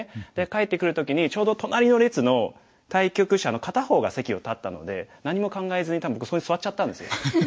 帰ってくる時にちょうど隣の列の対局者の片方が席を立ったので何も考えずに多分そこに座っちゃったんですよ。